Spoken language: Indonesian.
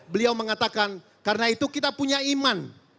beliau mengatakan karena itu kita punya iman